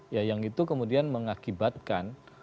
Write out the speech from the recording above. ya yang itu kemudian mengakibatkan